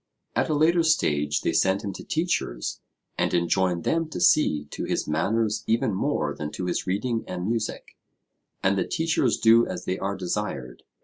At a later stage they send him to teachers, and enjoin them to see to his manners even more than to his reading and music; and the teachers do as they are desired.